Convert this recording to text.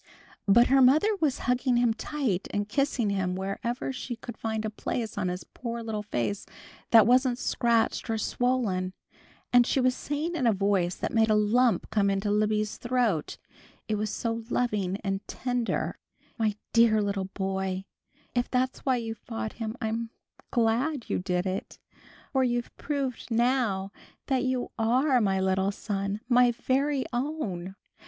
But her mother was hugging him tight and kissing him wherever she could find a place on his poor little face that wasn't scratched or swollen, and she was saying in a voice that made a lump come into Libby's throat, it was so loving and tender, "My dear little boy, if that's why you fought him I'm glad you did it, for you've proved now that you are my little son, my very own!"